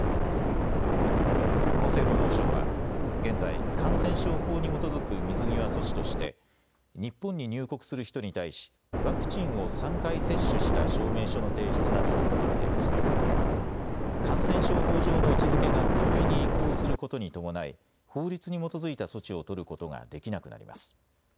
厚生労働省は現在、感染症法に基づく水際措置として日本に入国する人に対しワクチンを３回接種した証明書の提出などを求めていますが感染症法上の位置づけが５類に移行することに伴い法律に基づいた措置を取ることができなくなります。